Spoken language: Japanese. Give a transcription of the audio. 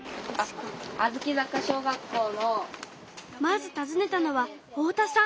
まず訪ねたのは太田さん。